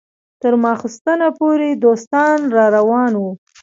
تر ماخستنه پورې دوستان راروان وو.